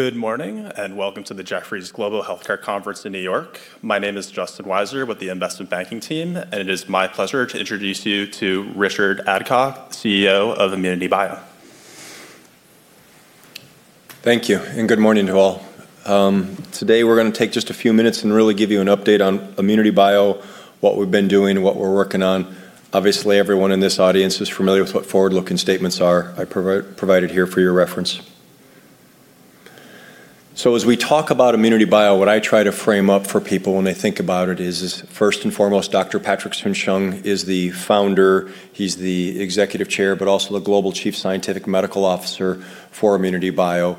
Good morning, and welcome to the Jefferies Global Healthcare Conference in New York. My name is Justin Weisser with the investment banking team, and it is my pleasure to introduce you to Richard Adcock, CEO of ImmunityBio. Thank you. Good morning to all. Today, we're going to take just a few minutes and really give you an update on ImmunityBio, what we've been doing, and what we're working on. Obviously, everyone in this audience is familiar with what forward-looking statements are. I provided here for your reference. As we talk about ImmunityBio, what I try to frame up for people when they think about it is, first and foremost, Dr. Patrick Soon-Shiong is the founder. He's the Executive Chair, but also the Global Chief Scientific Medical Officer for ImmunityBio.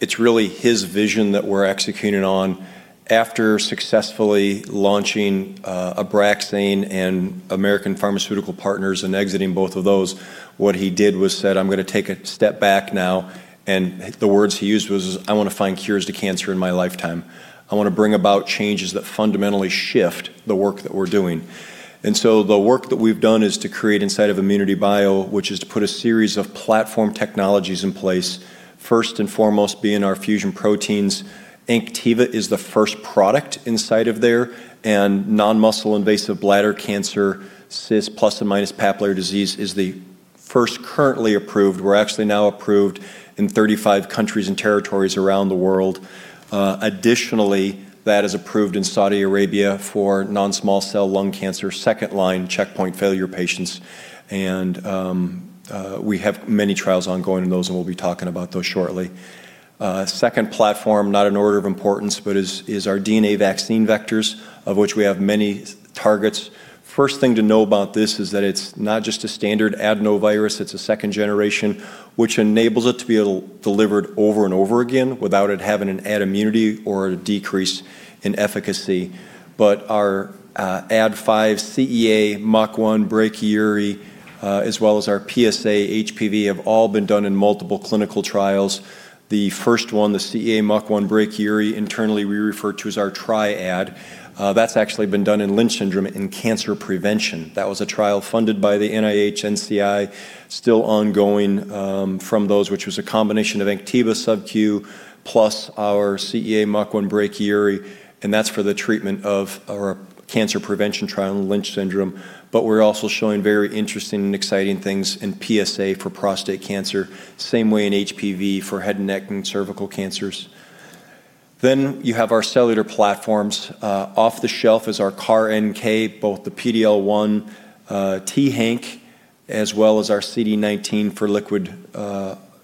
It's really his vision that we're executing on. After successfully launching ABRAXANE and American Pharmaceutical Partners and exiting both of those, what he did was said, "I'm going to take a step back now," and the words he used was, "I want to find cures to cancer in my lifetime. I want to bring about changes that fundamentally shift the work that we're doing. The work that we've done is to create inside of ImmunityBio, which is to put a series of platform technologies in place, first and foremost being our fusion proteins. ANKTIVA is the first product inside of there, and non-muscle invasive bladder cancer CIS plus and minus papillary disease is the first currently approved. We're actually now approved in 35 countries and territories around the world. Additionally, that is approved in Saudi Arabia for non-small cell lung cancer, second-line checkpoint failure patients. We have many trials ongoing in those, and we'll be talking about those shortly. Second platform, not in order of importance, but is our DNA vaccine vectors, of which we have many targets. First thing to know about this is that it's not just a standard adenovirus, it's a second generation, which enables it to be delivered over and over again without it having an autoimmunity or a decrease in efficacy. Our Ad5 CEA MUC1 brachyury, as well as our PSA HPV, have all been done in multiple clinical trials. The first one, the CEA MUC1 brachyury, internally we refer to as our triad. That's actually been done in Lynch syndrome in cancer prevention. That was a trial funded by the NIH, NCI, still ongoing from those, which was a combination of ANKTIVA SubQ plus our CEA MUC1 brachyury, and that's for the treatment of our cancer prevention trial in Lynch syndrome. We're also showing very interesting and exciting things in PSA for prostate cancer, same way in HPV for head, neck, and cervical cancers. You have our cellular platforms. Off the shelf is our CAR-NK, both the PD-L1 t-haNK, as well as our CD19 for liquid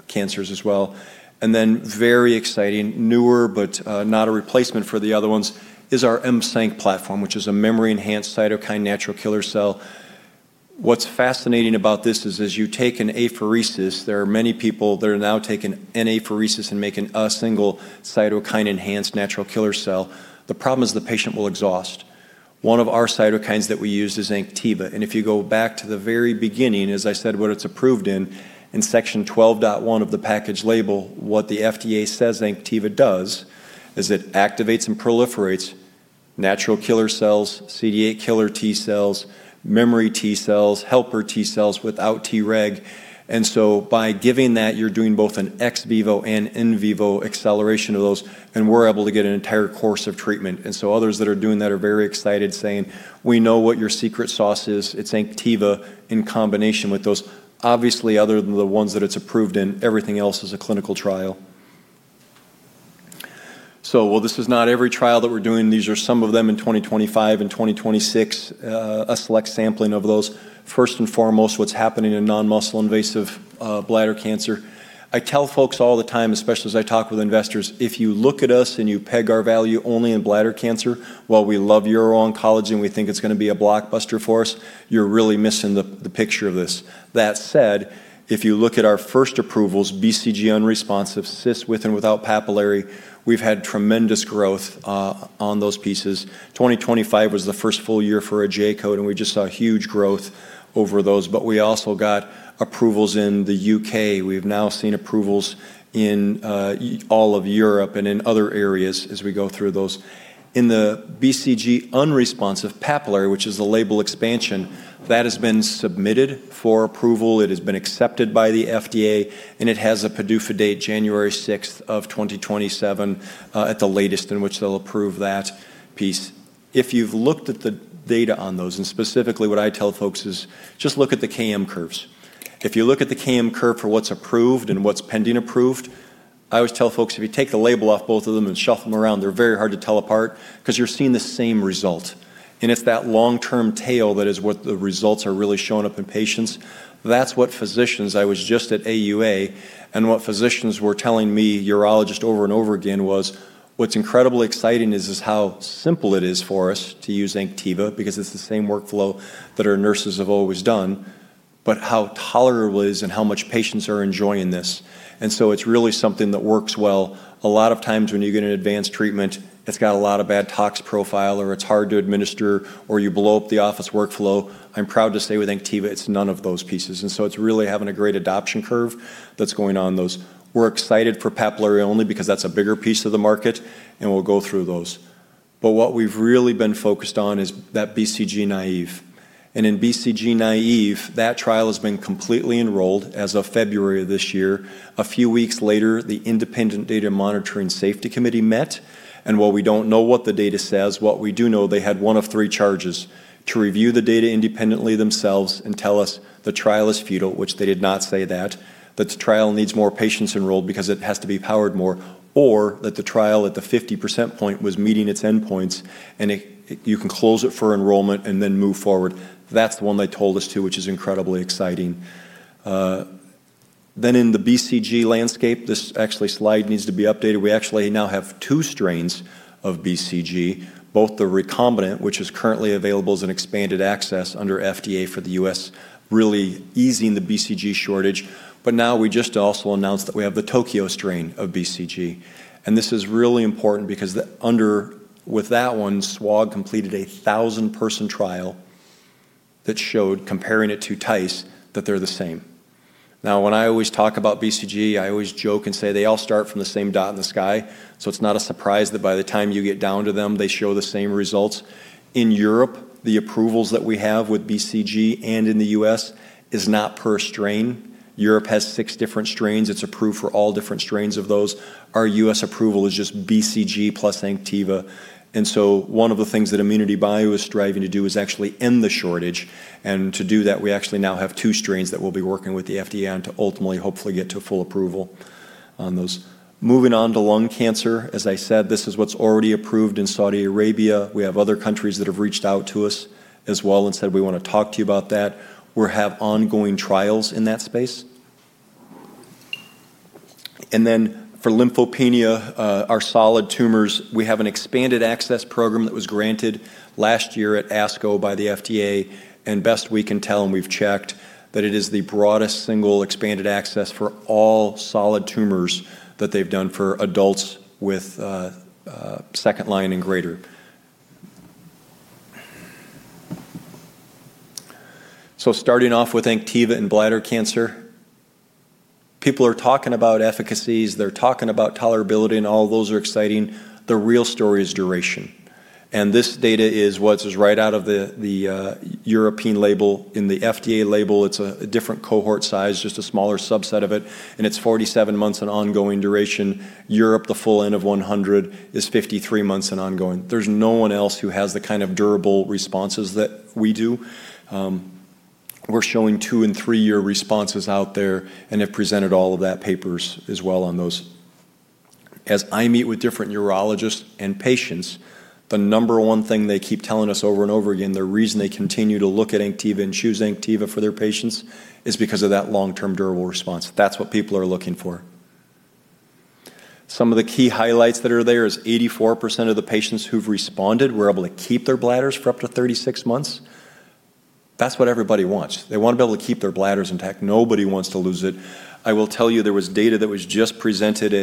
cancers as well. Very exciting, newer, but not a replacement for the other ones, is our M-ceNK platform, which is a memory-enhanced cytokine natural killer cell. What's fascinating about this is, as you take an apheresis, there are many people that are now taking an apheresis and making a single cytokine-enhanced natural killer cell. The problem is the patient will exhaust. One of our cytokines that we use is ANKTIVA, and if you go back to the very beginning, as I said, what it's approved in Section 12.1 of the package label, what the FDA says ANKTIVA does is it activates and proliferates natural killer cells, CD8 killer T cells, memory T cells, helper T cells without Treg. By giving that, you're doing both an ex vivo and in vivo acceleration of those, and we're able to get an entire course of treatment. Others that are doing that are very excited, saying, "We know what your secret sauce is. It's ANKTIVA in combination with those." Obviously, other than the ones that it's approved in, everything else is a clinical trial. While this is not every trial that we're doing, these are some of them in 2025 and 2026, a select sampling of those. First and foremost, what's happening in non-muscle invasive bladder cancer. I tell folks all the time, especially as I talk with investors, if you look at us and you peg our value only in bladder cancer, while we love uro-oncology and we think it's going to be a blockbuster for us, you're really missing the picture of this. That said, if you look at our first approvals, BCG-unresponsive, CIS with and without papillary, we've had tremendous growth on those pieces. 2025 was the first full-year for a J-code, and we just saw huge growth over those. We also got approvals in the U.K. We've now seen approvals in all of Europe and in other areas as we go through those. In the BCG-unresponsive papillary, which is the label expansion, that has been submitted for approval. It has been accepted by the FDA, and it has a PDUFA date January 6th of 2027 at the latest in which they'll approve that piece. If you've looked at the data on those, and specifically what I tell folks is just look at the KM curves. If you look at the KM curve for what's approved and what's pending approved, I always tell folks, if you take the label off both of them and shuffle them around, they're very hard to tell apart because you're seeing the same result. It's that long-term tail that is what the results are really showing up in patients. That's what I was just at AUA, and what physicians were telling me, urologists over and over again, was, "What's incredibly exciting is how simple it is for us to use ANKTIVA, because it's the same workflow that our nurses have always done, but how tolerable it is and how much patients are enjoying this." It's really something that works well. A lot of times when you get an advanced treatment, it's got a lot of bad tox profile, or it's hard to administer, or you blow up the office workflow. I'm proud to say with ANKTIVA, it's none of those pieces, it's really having a great adoption curve that's going on those. We're excited for papillary only because that's a bigger piece of the market, we'll go through those. What we've really been focused on is that BCG-naive, that trial has been completely enrolled as of February of this year. A few weeks later, the independent data monitoring safety committee met. While we don't know what the data says, what we do know, they had one of three charges, to review the data independently themselves and tell us the trial is futile, which they did not say that the trial needs more patients enrolled because it has to be powered more, or that the trial at the 50% point was meeting its endpoints and you can close it for enrollment and then move forward. That's the one they told us, too, which is incredibly exciting. In the BCG landscape, this actually slide needs to be updated. We actually now have two strains of BCG, both the recombinant, which is currently available as an expanded access under FDA for the U.S., really easing the BCG shortage. Now we just also announced that we have the Tokyo strain of BCG, and this is really important because with that one, SWOG completed a 1,000-person trial that showed, comparing it to TICE, that they're the same. Now, when I always talk about BCG, I always joke and say they all start from the same dot in the sky, so it's not a surprise that by the time you get down to them, they show the same results. In Europe, the approvals that we have with BCG and in the U.S. is not per strain. Europe has six different strains. It's approved for all different strains of those. Our U.S. approval is just BCG plus ANKTIVA. One of the things that ImmunityBio is striving to do is actually end the shortage. To do that, we actually now have two strains that we'll be working with the FDA on to ultimately, hopefully get to full approval on those. Moving on to lung cancer, as I said, this is what's already approved in Saudi Arabia. We have other countries that have reached out to us as well and said, "We want to talk to you about that." We have ongoing trials in that space. For lymphopenia, our solid tumors, we have an expanded access program that was granted last year at ASCO by the FDA. Best we can tell, and we've checked, that it is the broadest single expanded access for all solid tumors that they've done for adults with second line and greater. Starting off with ANKTIVA and bladder cancer, people are talking about efficacies, they're talking about tolerability, and all those are exciting. The real story is duration. This data is what is right out of the European label. In the FDA label, it's a different cohort size, just a smaller subset of it, and it's 47 months in ongoing duration. Europe, the full N of 100 is 53 months and ongoing. There's no one else who has the kind of durable responses that we do. We're showing two and three-year responses out there and have presented all of that papers as well on those. As I meet with different urologists and patients, the number one thing they keep telling us over and over again, the reason they continue to look at ANKTIVA and choose ANKTIVA for their patients, is because of that long-term durable response. That's what people are looking for. Some of the key highlights that are there is 84% of the patients who've responded were able to keep their bladders for up to 36 months. That's what everybody wants. They want to be able to keep their bladders intact. Nobody wants to lose it. I will tell you, there was data that was just presented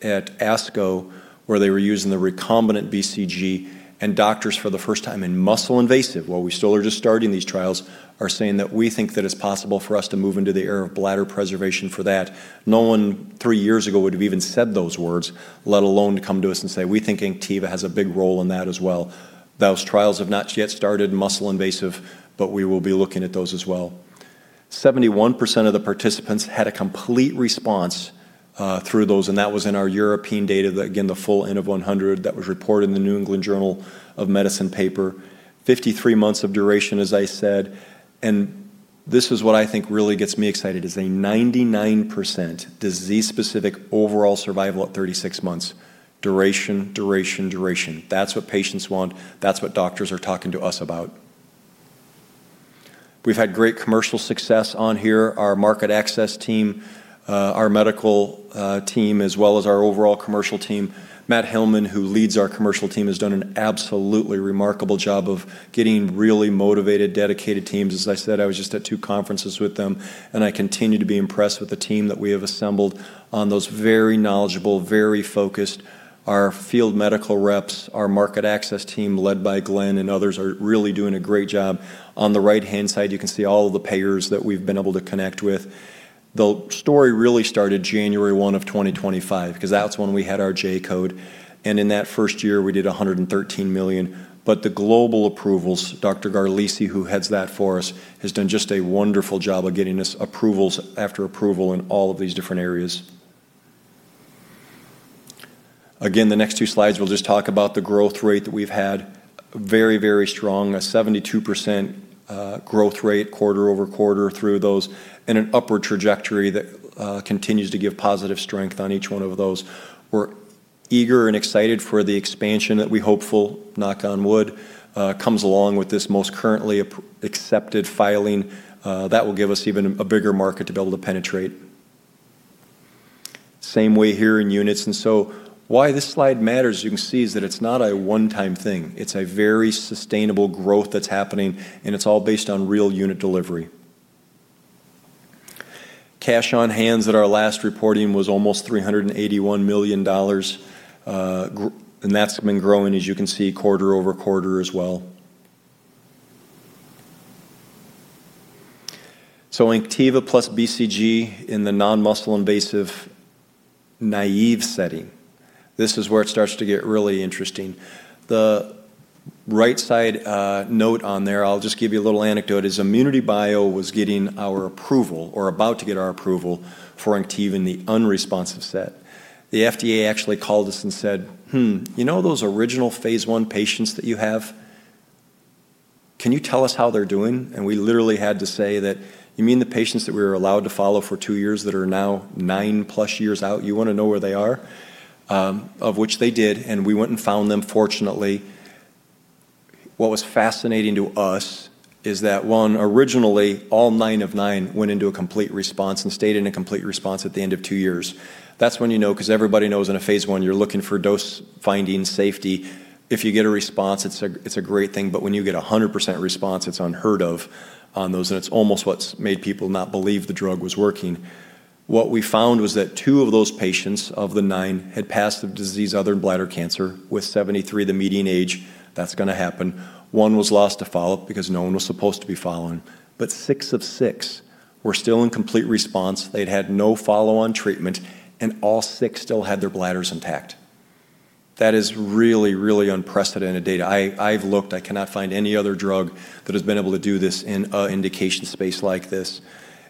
at ASCO, where they were using the recombinant BCG. Doctors for the first time in muscle invasive, while we still are just starting these trials, are saying that we think that it's possible for us to move into the era of bladder preservation for that. No one three years ago would've even said those words, let alone come to us and say, "We think ANKTIVA has a big role in that as well." Those trials have not yet started muscle invasive. We will be looking at those as well. 71% of the participants had a complete response through those. That was in our European data, again, the full N of 100 that was reported in The New England Journal of Medicine paper. 53 months of duration, as I said. This is what I think really gets me excited, is a 99% disease-specific overall survival at 36 months. Duration, duration. That's what patients want. That's what doctors are talking to us about. We've had great commercial success on here. Our market access team, our medical team, as well as our overall commercial team. Matt Hellman, who leads our commercial team, has done an absolutely remarkable job of getting really motivated, dedicated teams. As I said, I was just at two conferences with them. I continue to be impressed with the team that we have assembled on those very knowledgeable, very focused. Our field medical reps, our market access team, led by Glenn and others, are really doing a great job. On the right-hand side, you can see all of the payers that we've been able to connect with. The story really started January 1 of 2025, because that's when we had our J-code, and in that first year we did $113 million. The global approvals, Dr. Garlisi, who heads that for us, has done just a wonderful job of getting us approvals after approval in all of these different areas. Again, the next two slides will just talk about the growth rate that we've had. Very, very strong. A 72% growth rate quarter-over-quarter through those in an upward trajectory that continues to give positive strength on each one of those. We're eager and excited for the expansion that we hopeful, knock on wood, comes along with this most currently accepted filing. That will give us even a bigger market to be able to penetrate. Same way here in units. Why this slide matters, you can see, is that it's not a one-time thing. It's a very sustainable growth that's happening, and it's all based on real unit delivery. Cash on hands at our last reporting was almost $381 million, and that's been growing, as you can see, quarter-over-quarter as well. ANKTIVA plus BCG in the non-muscle invasive naive setting. This is where it starts to get really interesting. The right side note on there, I'll just give you a little anecdote, is ImmunityBio was getting our approval or about to get our approval for ANKTIVA in the unresponsive set. The FDA actually called us and said, "Hmm, you know those original phase I patients that you have? Can you tell us how they're doing?" We literally had to say that, "You mean the patients that we were allowed to follow for two years that are now nine plus years out, you want to know where they are?" Of which they did, and we went and found them, fortunately. What was fascinating to us is that, one, originally all nine of nine went into a complete response and stayed in a complete response at the end of two years. That's when you know, because everybody knows in a phase I, you're looking for dose finding safety. If you get a response, it's a great thing, but when you get 100% response, it's unheard of on those, and it's almost what's made people not believe the drug was working. What we found was that two of those patients of the nine had passed of disease other than bladder cancer, with 73 the median age. That's going to happen. One was lost to follow-up because no one was supposed to be following. Six of six were still in complete response. They'd had no follow-on treatment, and all six still had their bladders intact. That is really unprecedented data. I've looked. I cannot find any other drug that has been able to do this in an indication space like this,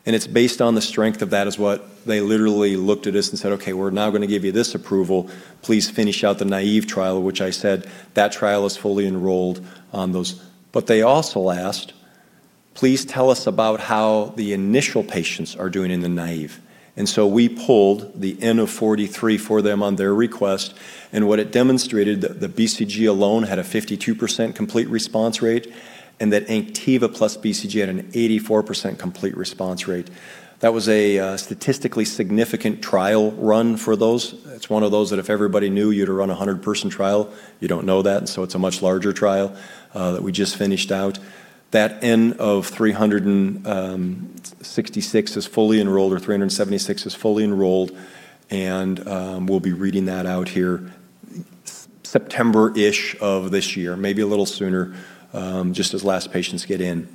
and it's based on the strength of that is what they literally looked at us and said, "Okay, we're now going to give you this approval. Please finish out the naive trial," which I said, "That trial is fully enrolled on those." They also asked, "Please tell us about how the initial patients are doing in the naive." We pulled the N of 43 for them on their request, and what it demonstrated, the BCG alone had a 52% complete response rate, and that ANKTIVA plus BCG had an 84% complete response rate. That was a statistically significant trial run for those. It's one of those that if everybody knew you had to run a 100-person trial, you don't know that, so it's a much larger trial that we just finished out. That N of 366 is fully enrolled, or 376 is fully enrolled, and we'll be reading that out here September-ish of this year, maybe a little sooner, just as last patients get in.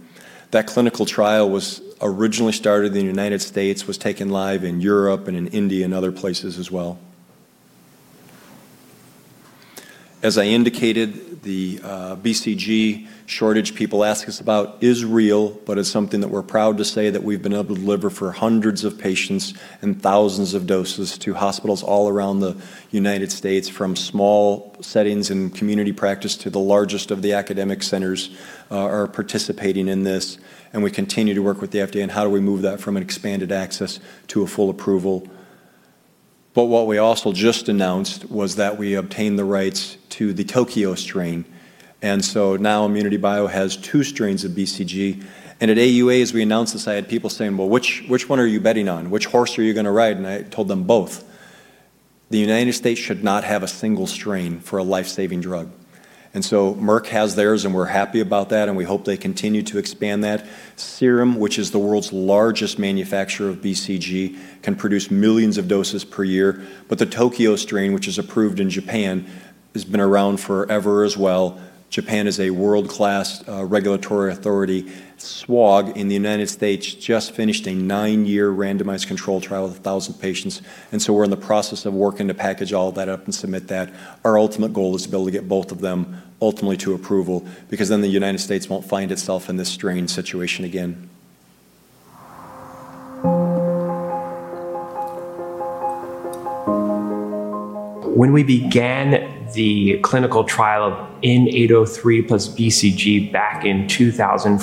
That clinical trial was originally started in the U.S., was taken live in Europe and in India and other places as well. As I indicated, the BCG shortage people ask us about is real, but it's something that we're proud to say that we've been able to deliver for hundreds of patients and thousands of doses to hospitals all around the U.S., from small settings in community practice to the largest of the academic centers are participating in this. We continue to work with the FDA on how do we move that from an expanded access to a full approval. What we also just announced was that we obtained the rights to the Tokyo strain. Now ImmunityBio has two strains of BCG. At AUA, as we announced this, I had people saying, "Well, which one are you betting on? Which horse are you going to ride?" I told them both. The U.S. should not have a single strain for a life-saving drug. Merck has theirs, and we're happy about that, and we hope they continue to expand that. Serum, which is the world's largest manufacturer of BCG, can produce millions of doses per year. The Tokyo strain, which is approved in Japan, has been around forever as well. Japan is a world-class regulatory authority. SWOG in the U.S. just finished a nine-year randomized control trial with 1,000 patients, we're in the process of working to package all of that up and submit that. Our ultimate goal is to be able to get both of them ultimately to approval because then the U.S. won't find itself in this strained situation again. When we began the clinical trial of N-803 plus BCG back in 2014,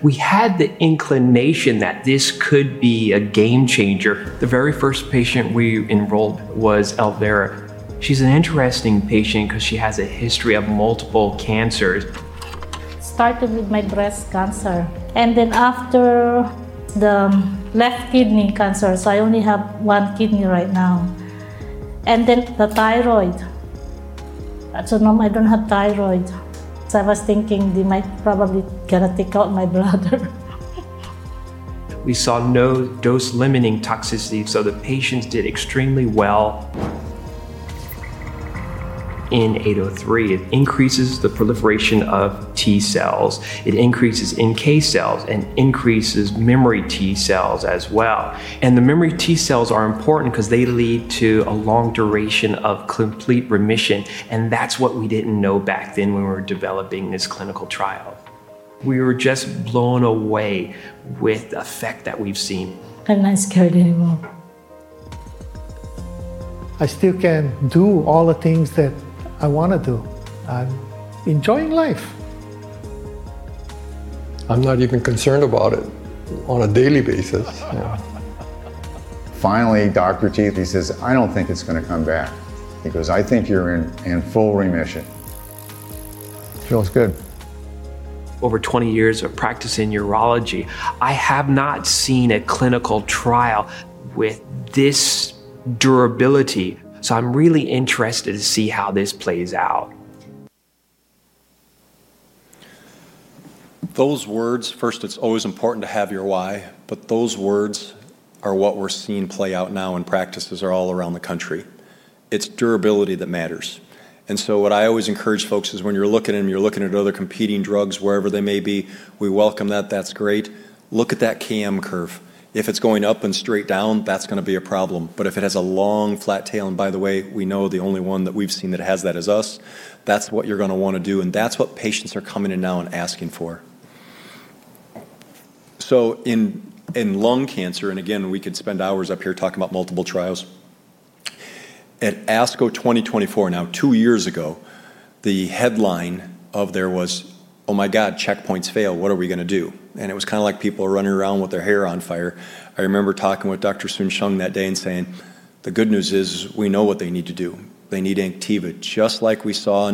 we had the inclination that this could be a game changer. The very first patient we enrolled was [Elvira]. She's an interesting patient because she has a history of multiple cancers. Started with my breast cancer, and then after, the left kidney cancer, so I only have one kidney right now. Then the thyroid. Now I don't have thyroid. I was thinking they might probably going to take out my bladder. We saw no dose-limiting toxicity. The patients did extremely well. N-803, it increases the proliferation of T cells. It increases NK cells and increases memory T cells as well. The memory T cells are important because they lead to a long duration of complete remission, and that's what we didn't know back then when we were developing this clinical trial. We were just blown away with the effect that we've seen. I'm not scared anymore. I still can do all the things that I want to do. I'm enjoying life. I'm not even concerned about it on a daily basis. Finally, Dr. [Teet], he says, "I don't think it's going to come back." He goes, "I think you're in full remission." Feels good. Over 20 years of practicing urology, I have not seen a clinical trial with this durability. I'm really interested to see how this plays out. Those words, first, it's always important to have your why, but those words are what we're seeing play out now in practices all around the country. It's durability that matters. What I always encourage folks is when you're looking at them, you're looking at other competing drugs, wherever they may be, we welcome that. That's great. Look at that Kaplan-Meier curve. If it's going up and straight down, that's going to be a problem. If it has a long flat tail, and by the way, we know the only one that we've seen that has that is us, that's what you're going to want to do, and that's what patients are coming in now and asking for. In lung cancer, again, we could spend hours up here talking about multiple trials, at ASCO 2024 now, two years ago, the headline of there was, "Oh my God, checkpoints fail. What are we going to do?" It was like people are running around with their hair on fire. I remember talking with Dr. Soon-Shiong that day and saying, "The good news is we know what they need to do. They need ANKTIVA." Just like we saw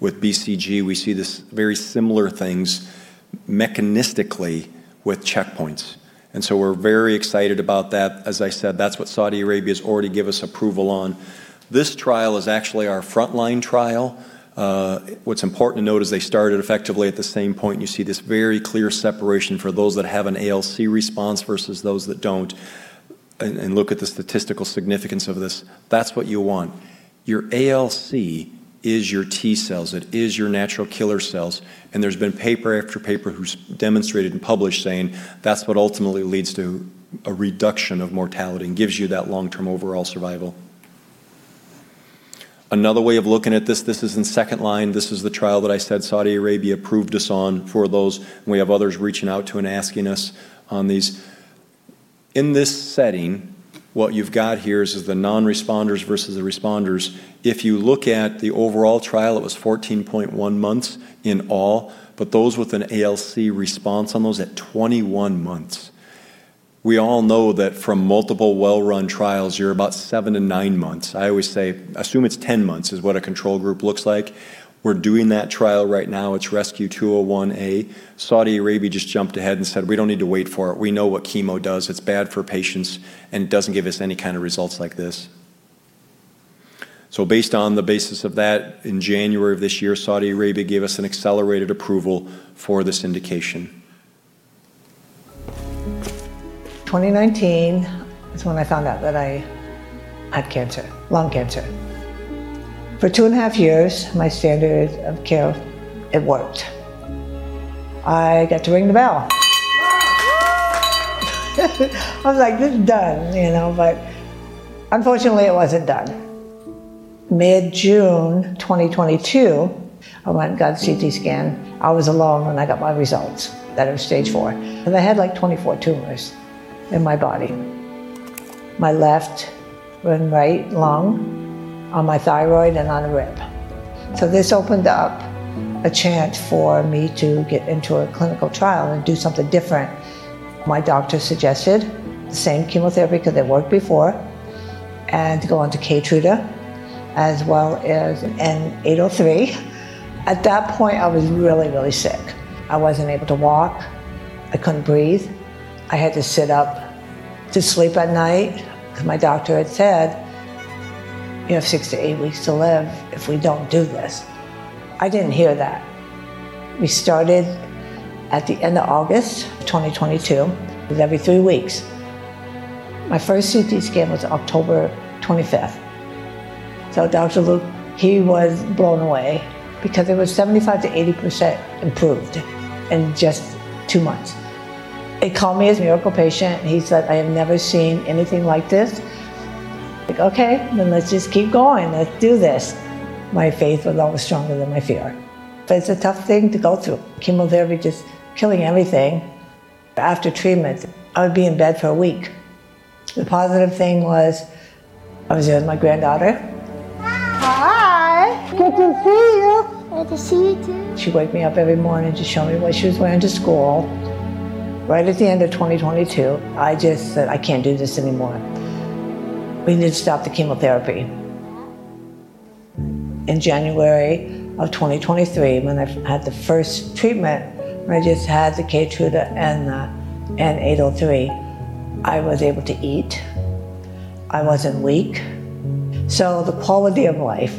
with BCG, we see these very similar things mechanistically with checkpoints. We're very excited about that. As I said, that's what Saudi Arabia's already give us approval on. This trial is actually our frontline trial. What's important to note is they started effectively at the same point, and you see this very clear separation for those that have an ALC response versus those that don't, and look at the statistical significance of this. That's what you want. Your ALC is your T cells. It is your natural killer cells, and there's been paper after paper who's demonstrated and published saying that's what ultimately leads to a reduction of mortality and gives you that long-term overall survival. Another way of looking at this is in second line. This is the trial that I said Saudi Arabia approved us on for those, and we have others reaching out to and asking us on these. In this setting, what you've got here is the non-responders versus the responders. If you look at the overall trial, it was 14.1 months in all, but those with an ALC response on those at 21 months. We all know that from multiple well-run trials, you're about seven to nine months. I always say assume it's 10 months is what a control group looks like. We're doing that trial right now. It's Rescue 201A. Saudi Arabia just jumped ahead and said we don't need to wait for it. We know what chemo does. It's bad for patients, and it doesn't give us any kind of results like this. Based on the basis of that, in January of this year, Saudi Arabia gave us an accelerated approval for this indication. 2019 is when I found out that I had cancer, lung cancer. For two and a half years, my standard of care, it worked. I got to ring the bell. I was like, "This is done." Unfortunately, it wasn't done. Mid-June 2022, I went and got a CT scan. I was alone when I got my results that it was stage 4, and I had like 24 tumors in my body, my left and right lung, on my thyroid, and on a rib. This opened up a chance for me to get into a clinical trial and do something different. My doctor suggested the same chemotherapy because it worked before and to go onto KEYTRUDA as well as N-803. At that point, I was really, really sick. I wasn't able to walk. I couldn't breathe. I had to sit up to sleep at night because my doctor had said, "You have six to eight weeks to live if we don't do this." I didn't hear that. We started at the end of August 2022. It was every three weeks. My first CT scan was October 25th. Dr. Luke, he was blown away because it was 75%-80% improved in just two months. He called me his miracle patient, and he said, "I have never seen anything like this." Like, "Okay, then let's just keep going. Let's do this." My faith was always stronger than my fear. It's a tough thing to go through, chemotherapy just killing everything. After treatment, I would be in bed for one week. The positive thing was I was there with my granddaughter. Hi. Hi. Good to see you. Good to see you, too. She'd wake me up every morning to show me what she was wearing to school. Right at the end of 2022, I just said, "I can't do this anymore. We need to stop the chemotherapy." In January of 2023, when I had the first treatment, when I just had the KEYTRUDA and the N-803, I was able to eat. I wasn't weak. The quality of life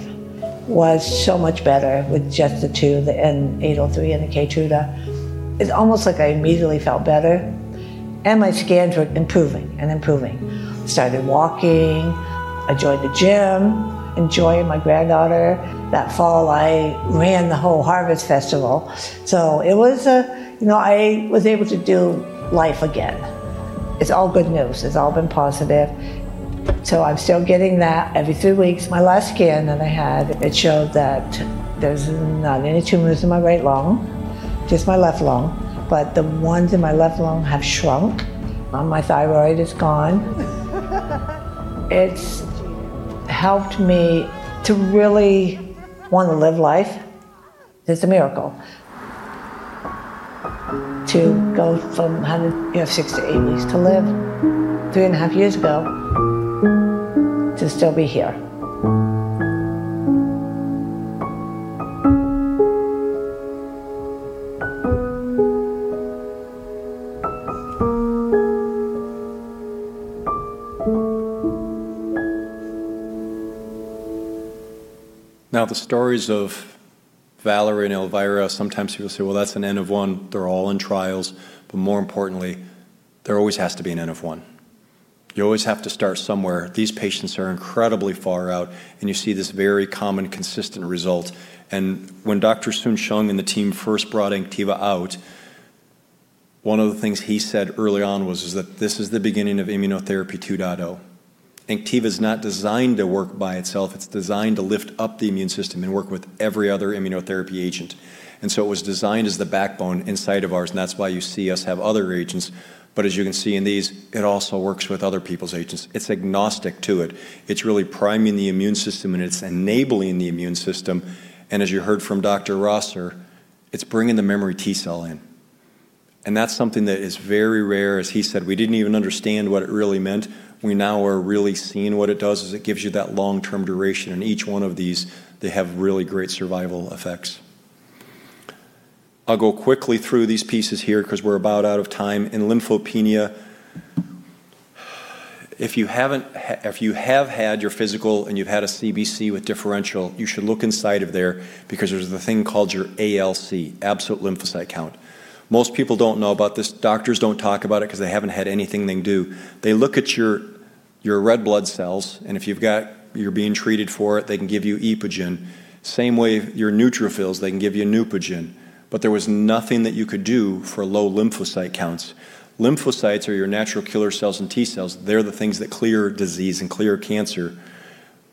was so much better with just the two, the N-803 and the KEYTRUDA. It's almost like I immediately felt better, and my scans were improving and improving. I started walking. I joined the gym, enjoying my granddaughter. That fall, I ran the whole Harvest Festival. I was able to do life again. It's all good news. It's all been positive. I'm still getting that every three weeks. My last scan that I had, it showed that there's not any tumors in my right lung, just my left lung, but the ones in my left lung have shrunk. On my thyroid, it's gone. It's helped me to really want to live life. It's a miracle to go from having six to eight weeks to live three and a half years ago to still be here. The stories of [Valerie] and [Elvira], sometimes people say, "Well, that's an N of one." They're all in trials, more importantly, there always has to be an N of one. You always have to start somewhere. These patients are incredibly far out, you see this very common, consistent result. When Dr. Soon-Shiong and the team first brought ANKTIVA out, one of the things he said early on was that this is the beginning of immunotherapy 2.0. ANKTIVA's not designed to work by itself. It's designed to lift up the immune system and work with every other immunotherapy agent. It was designed as the backbone inside of ours, that's why you see us have other agents. As you can see in these, it also works with other people's agents. It's agnostic to it. It's really priming the immune system, and it's enabling the immune system. As you heard from Dr. Rosser, it's bringing the memory T cell in, and that's something that is very rare. As he said, we didn't even understand what it really meant. We now are really seeing what it does, is it gives you that long-term duration. In each one of these, they have really great survival effects. I'll go quickly through these pieces here because we're about out of time. In lymphopenia, if you have had your physical and you've had a CBC with differential, you should look inside of there because there's the thing called your ALC, absolute lymphocyte count. Most people don't know about this. Doctors don't talk about it because they haven't had anything they can do. They look at your red blood cells, and if you're being treated for it, they can give you EPOGEN. Same way your neutrophils, they can give you NEUPOGEN. There was nothing that you could do for low lymphocyte counts. Lymphocytes are your Natural Killer cells and T cells. They're the things that clear disease and clear cancer,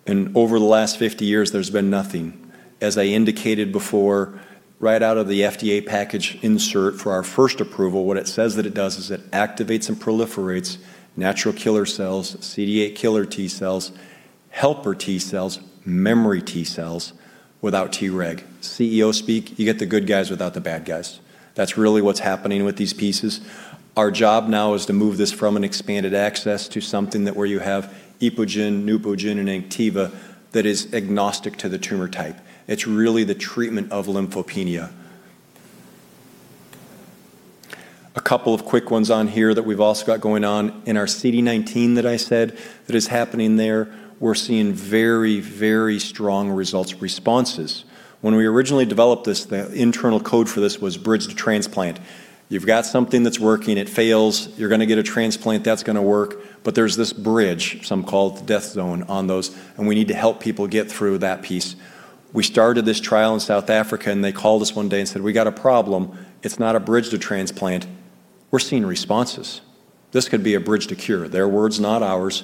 and over the last 50 years, there's been nothing. As I indicated before, right out of the FDA package insert for our first approval, what it says that it does is it activates and proliferates Natural Killer cells, CD8 killer T cells, helper T cells, memory T cells without T reg. CEO speak, you get the good guys without the bad guys. That's really what's happening with these pieces. Our job now is to move this from an expanded access to something that where you have EPOGEN, NEUPOGEN, and ANKTIVA that is agnostic to the tumor type. It's really the treatment of lymphopenia. A couple of quick ones on here that we've also got going on. In our CD19 that I said that is happening there, we're seeing very, very strong results, responses. When we originally developed this, the internal code for this was bridge to transplant. You've got something that's working, it fails, you're going to get a transplant, that's going to work. There's this bridge, some call it the death zone, on those. We need to help people get through that piece. We started this trial in South Africa. They called us one day and said, "We got a problem. It's not a bridge to transplant. We're seeing responses. This could be a bridge to cure." Their words, not ours.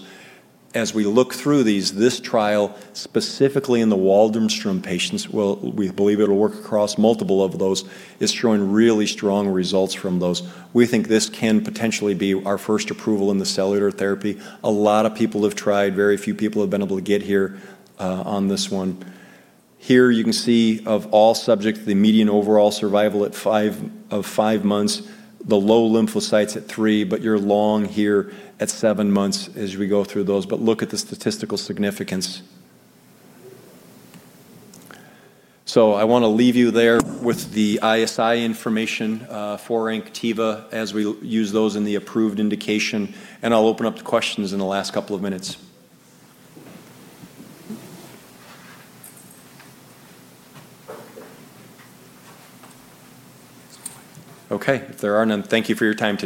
As we look through these, this trial, specifically in the Waldenström patients, we believe it'll work across multiple of those, is showing really strong results from those. We think this can potentially be our first approval in the cellular therapy. A lot of people have tried. Very few people have been able to get here on this one. Here you can see of all subjects, the median overall survival of five months, the low lymphocytes at three, but you're long here at seven months as we go through those. Look at the statistical significance. I want to leave you there with the ISI information for ANKTIVA as we use those in the approved indication, and I'll open up to questions in the last couple of minutes. Okay, if there are none, thank you for your time today.